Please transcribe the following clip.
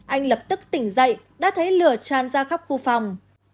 anh lập tức tỉnh dậy đã thấy lửa tràn ra khắp khu phòng